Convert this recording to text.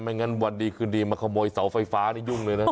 งั้นวันดีคืนดีมาขโมยเสาไฟฟ้านี่ยุ่งเลยนะ